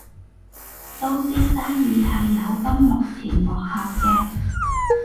都知生意係有分幕前幕後嘅